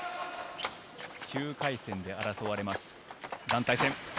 ９回戦で争われます、団体戦。